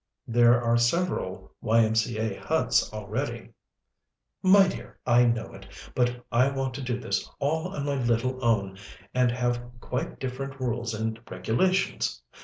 "There are several Y.M.C.A. Huts already." "My dear! I know it. But I want to do this all on my little own, and have quite different rules and regulations.